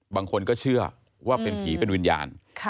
บางคนก็เชื่อว่าเป็นผีเป็นวิญญาณ